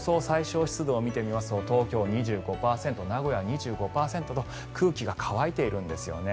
最小湿度を見てみますと東京２５％名古屋、２５％と空気が乾いているんです。